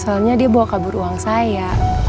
soalnya dia bawa kabur uang saya